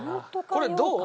これどう？